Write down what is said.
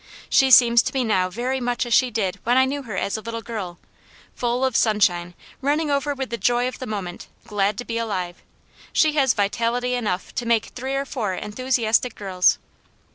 She seems to me now very much as she did when I knew her as a little girl, full of sunshine, running over with the joy of the moment, glad to be alive. She has vitality enough to make three or four enthusiastic girls."